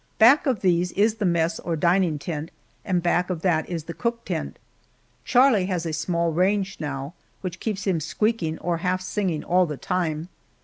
Back of these is the mess, or dining tent, and back of that is the cook tent. Charlie has a small range now, which keeps him squeaking or half singing all the time.